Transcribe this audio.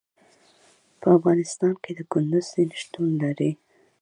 په افغانستان کې د کندز سیند شتون لري.